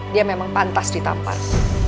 dia memang pantas ditampar